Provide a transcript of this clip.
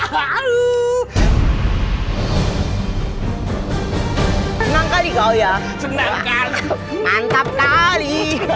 senang kali kau ya senang mantap kali